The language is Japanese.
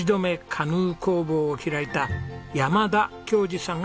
カヌー工房を開いた山田恭嗣さんが主人公です。